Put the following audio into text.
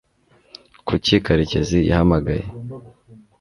kuki karekezi yahamagaye